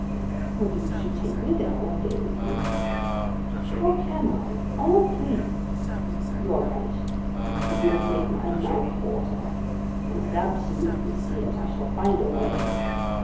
"But you should take me there one day with you." "How can I? On what plea?" "You are right; but you have made my mouth water. I must absolutely see it; I shall find a way."